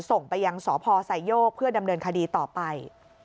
ส่งไปยังสพไซโยกเพื่อดำเนินคดีต่อไป